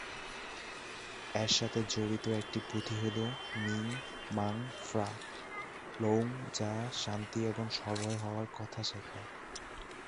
এর সাথে জড়িত একটি পুথি হল মিং-মাং-ফ্রা-লৌং যা শান্তি এবং সভ্য় হওয়ার কথা শেখায়।